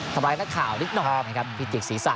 ทำร้ายนักข่าวนิดหน่อยนะครับพิจิกศีรษะ